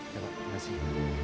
ya pak terima kasih